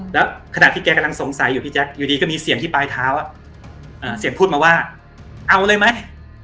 แล้วขณะที่แกกำลังสงสัยอยู่พี่แจ๊คอยู่ดีก็มีเสียงที่ปลายเท้าเสียงพูดมาว่าเอาเลยไหม